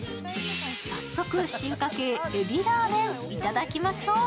早速、進化系海老ラーメン、頂きましょう。